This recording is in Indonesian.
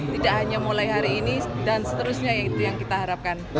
tidak hanya mulai hari ini dan seterusnya itu yang kita harapkan